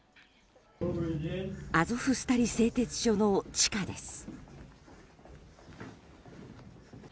アゾフスタリ製鉄所の地下です。